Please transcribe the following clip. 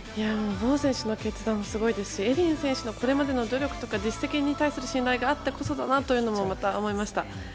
ボウ選手の決断もすごいですしエリン選手のこれまでの努力や実績に対する信頼があってこそだなと思いました。